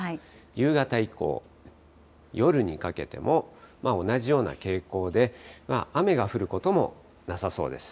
夕方以降、夜にかけても、同じような傾向で、雨が降ることもなさそうです。